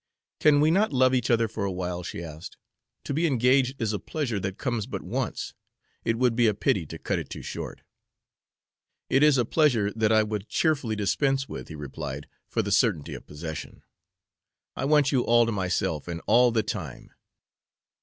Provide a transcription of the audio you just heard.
"Can we not love each other for a while?" she asked. "To be engaged is a pleasure that comes but once; it would be a pity to cut it too short." "It is a pleasure that I would cheerfully dispense with," he replied, "for the certainty of possession. I want you all to myself, and all the time.